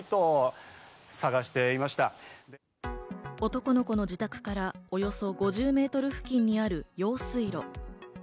男の子の自宅からおよそ５０メートル付近にある用水路。